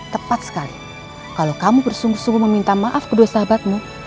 tepat sekali kalau kamu bersungguh sungguh meminta maaf kedua sahabatmu